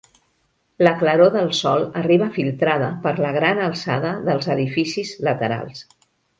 La claror del sol arriba filtrada per la gran alçada dels edificis laterals.